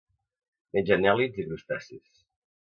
Menja anèl·lids i crustacis.